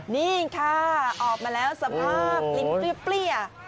นี่ค่ะออกมาแล้วสะบาปปลิ้ว